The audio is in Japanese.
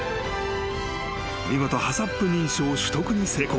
［見事ＨＡＣＣＰ認証取得に成功］